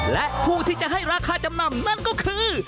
และผู้ที่จะให้ราคาจำนำนั่นก็คือ